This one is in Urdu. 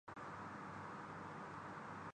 تو غیبی راستوں سے کچھ ہو جائے گا۔